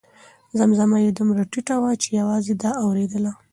زمزمه یې دومره ټیټه وه چې یوازې ده اورېدله.